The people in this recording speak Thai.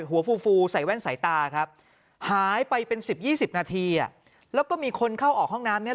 ฟูฟูใส่แว่นสายตาครับหายไปเป็น๑๐๒๐นาทีแล้วก็มีคนเข้าออกห้องน้ำเนี่ย